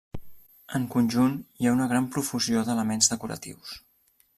En conjunt hi ha una gran profusió d'elements decoratius.